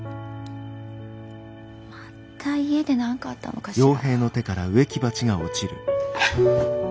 また家で何かあったのかしら。